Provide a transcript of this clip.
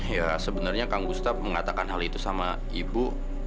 ya sebenarnya kang gustaf mengatakan hal itu sama ibu